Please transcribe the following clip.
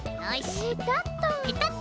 ペタッと。